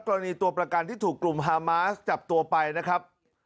กรณีตัวประกันที่ถูกกลุ่มฮามาสจับตัวไปนะครับ